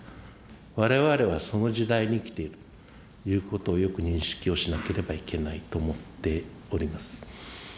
われわれはその時代に生きているということを、よく認識をしなければいけないと思っております。